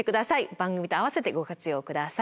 番組と合わせてご活用下さい。